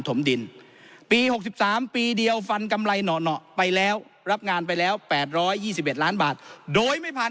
ถมดินปี๖๓ปีเดียวฟันกำไรหน่อไปแล้วรับงานไปแล้ว๘๒๑ล้านบาทโดยไม่ผ่าน